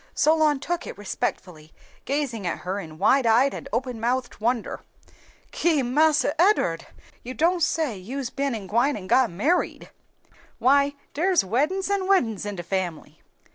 Solon took it respectfully, gazing at her in wide eyed and open mouthed wonder. "Ki! Marse Ed'ard, you don' say you's ben an' gwine an' got married! Why dere's weddin's an' weddin's in de family!"